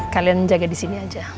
kalian jaga di sini aja